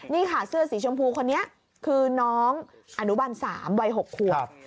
นี่ค่ะเสื้อสีชมพูคนนี้คือน้องอนุบัน๓วัย๖ขวบ